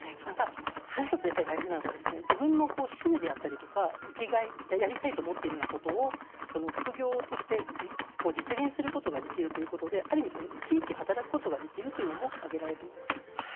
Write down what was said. もう一つ大事なのは自分の趣味であったり生きがいやりたいと思っていることを副業として実現することができるということで生き生き働くことができると挙げられています。